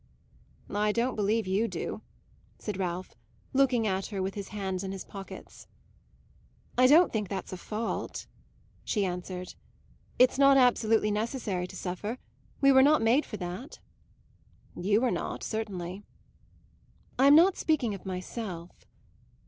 "I don't believe you do," said Ralph, looking at her with his hands in his pockets. "I don't think that's a fault," she answered. "It's not absolutely necessary to suffer; we were not made for that." "You were not, certainly." "I'm not speaking of myself."